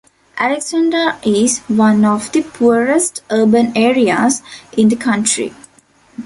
Alexandra is one of the poorest urban areas in the country.